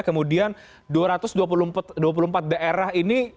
kemudian dua ratus dua puluh empat daerah ini